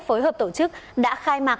phối hợp tổ chức đã khai mạc